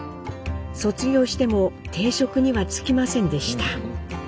卒業しても定職には就きませんでした。